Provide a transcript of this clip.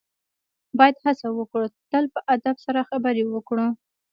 باید هڅه وکړو تل په ادب سره خبرې وکړو.